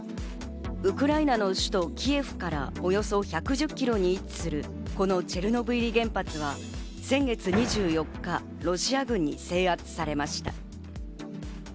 ウクライナの首都キエフからおよそ１１０キロに位置するこのチェルノブイリ原発は、先月２４日、ロシア軍に制圧されました。